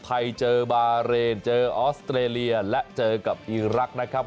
ไทยเจอบาเรนเจอออสเตรเลียและเจอกับอีรักษ์นะครับ